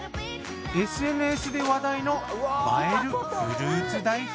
ＳＮＳで話題の映えるフルーツ大福。